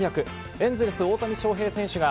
エンゼルス、大谷翔平選手が、